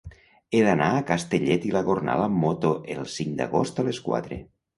He d'anar a Castellet i la Gornal amb moto el cinc d'agost a les quatre.